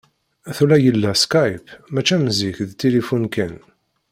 Tura yella Skype, mačči am zik d tilifun kan.